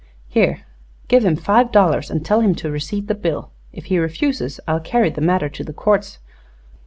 "Here give him five dollars and tell him to receipt the bill. If he refuses, I'll carry the matter to the courts.